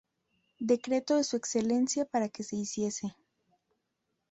Decreto de su excelencia para que se hiciese.